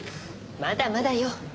まだまだよ。